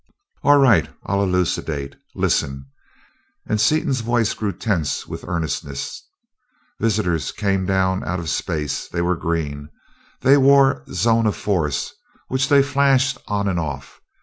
"All right, I'll elucidate. Listen!" and Seaton's voice grew tense with earnestness. "Visitors came down out of space. They were green. They wore zones of force, which they flashed on and off.